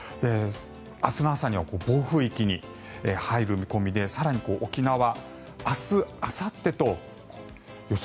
明日の朝には暴風域に入る見込みで更に沖縄、明日あさってと予想